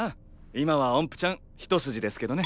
今はおんぷちゃん一筋ですけどね。